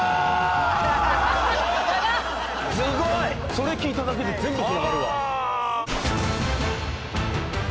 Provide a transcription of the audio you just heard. それ聞いただけで全部繋がるわ。